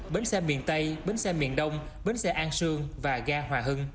bến xe miền tây bến xe miền đông bến xe an sương và ga hòa hưng